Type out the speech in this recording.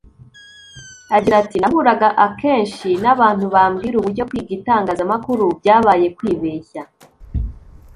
Agira ati “Nahuraga akenshi n’abantu bambwira uburyo kwiga itangazamakuru byabaye kwibeshya